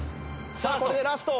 さあこれでラスト。